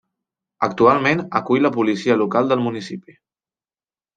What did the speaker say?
Actualment, acull la Policia Local del municipi.